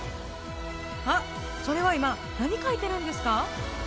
あっそれは今何描いてるんですか？